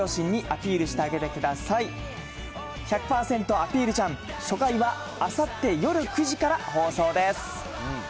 アピルちゃん、初回はあさって夜９時から放送です。